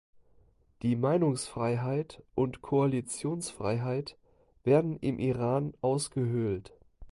Die Meinungsfreiheit und Koalitionsfreiheit werden im Iran ausgehöhlt.